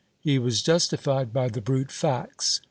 He was justified by the brute facts.